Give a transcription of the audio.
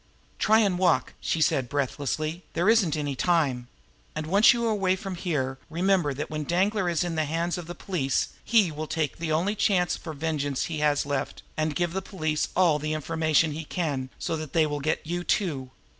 "Try and walk," she said breathlessly. "There isn't any time. And once you are away from here, remember that when Danglar is in the hands of the police he will take the only chance for revenge he has left, and give the police all the information he can, so that they will get you too."